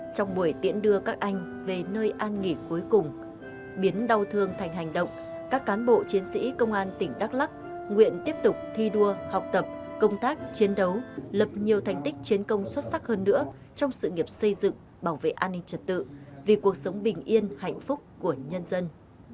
trong buổi tiễn đưa các anh về nơi an nghỉ cuối cùng biến đau thương thành hành động các cán bộ chiến sĩ công an tỉnh đắk lắc nguyện tiếp tục thi đua học tập công tác chiến đấu lập nhiều thành tích chiến công xuất sắc hơn nữa trong sự nghiệp xây dựng bảo vệ an ninh trật tự vì cuộc sống bình yên hạnh phúc của nhân dân